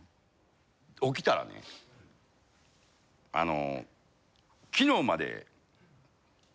起きたらねあの。